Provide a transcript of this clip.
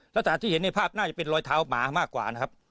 สถานที่เห็นในภาพน่าจะเป็นรอยเท้าหมามากกว่านะครับ